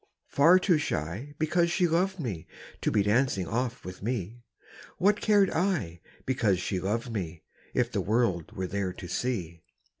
Far too shy, because she loved me, To be dancing oft with me; What cared I, because she loved me, If the world were there to see?